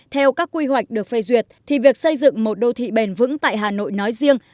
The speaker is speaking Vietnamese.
theo các quy hoạch được phê duyệt thì việc xây dựng một đô thị bền vững tại hà nội nói riêng